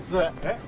えっ？